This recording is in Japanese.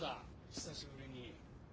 久しぶりに。